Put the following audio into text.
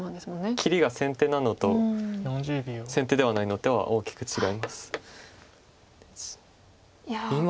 切りが先手なのと先手ではないのでは大きく違います。